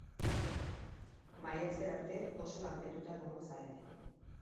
Maiatzera arte, oso lanpetuta egongo zarete.